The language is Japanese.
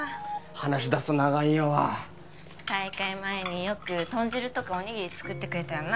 話し出すと長いんやわ大会前によく豚汁とかおにぎり作ってくれたよな